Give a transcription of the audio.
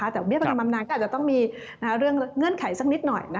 แต่เบี้ยประกันบำนานก็อาจจะต้องมีเรื่องเงื่อนไขสักนิดหน่อย